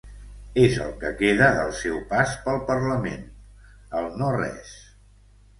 És el que queda del seu pas pel parlament, el no-res.